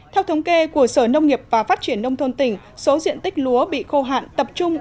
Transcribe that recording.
theo thống kê của sở nông nghiệp và phát triển nông thôn tỉnh số diện tích lúa bị khô hạn tập trung